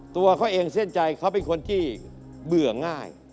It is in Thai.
ตัวเขาเองเส้นใจเขาเป็นคนที่เบื่อง่าย